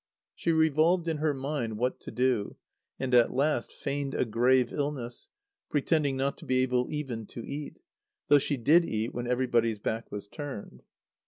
She revolved in her mind what to do, and at last feigned a grave illness, pretending not to be able even to eat, though she did eat when everybody's back was turned.